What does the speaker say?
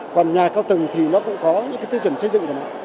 còn nhà cao tầng thì nó cũng có những cái tiêu chuẩn xây dựng của nó